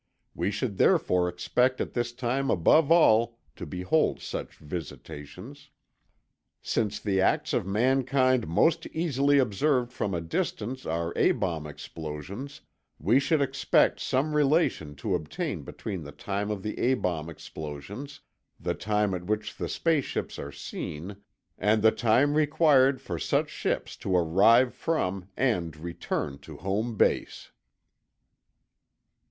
We should therefore expect at this time above all to behold such visitations. "Since the acts of mankind most easily observed from a distance are A bomb explosions, we should expect some relation to obtain between the time of the A bomb explosions, the time at which the space ships are seen, and the time required for such ships to arrive from and return to home base."